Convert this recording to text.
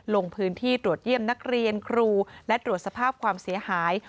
ลงพื้นที่ตรวจเยี่ยมนักเรียนครูและตรวจสภาพความเสียหาย